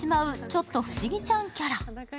ちょっと不思議ちゃんキャラ。